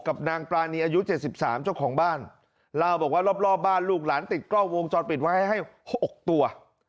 กับนางปรานีอายุเจ็ดสิบสามเจ้าของบ้านราวบอกว่ารอบรอบบ้านลูกหลานติดกล้องวงจอดปิดไว้ให้หกตัว